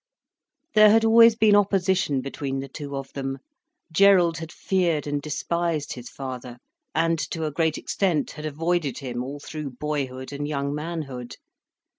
There had always been opposition between the two of them. Gerald had feared and despised his father, and to a great extent had avoided him all through boyhood and young manhood.